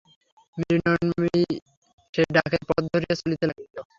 মৃন্ময়ী সেই ডাকের পথ ধরিয়া চলিতে লাগিল।